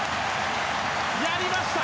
やりました！